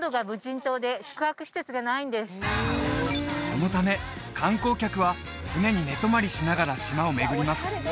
そのため観光客は船に寝泊まりしながら島を巡ります